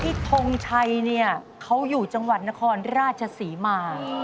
พี่ทงชัยเขาอยู่จังหวัดนครราชศรีมาก